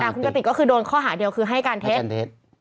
แต่คุณกติกก็คือโดนข้อหาเดียวคือให้การเท็จ